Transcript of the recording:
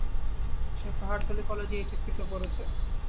সে পাহাড়তলি কলেজে এইচএসসিতে পড়ছে।